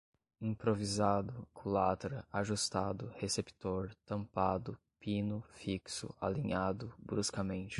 improvisado, culatra, ajustado, receptor, tampado, pino, fixo, alinhado, bruscamente